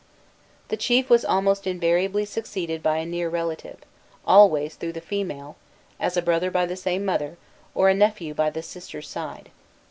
The chief was almost invariably succeeded by a near relative, always through the female, as a brother by the same mother, or a nephew by the sister's side.